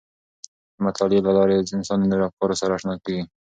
د مطالعې له لارې انسان د نوو افکارو سره آشنا کیږي.